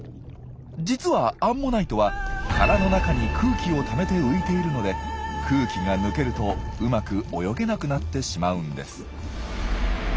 実はアンモナイトは殻の中に空気をためて浮いているので空気が抜けるとうまく泳げなくなってしまうんです。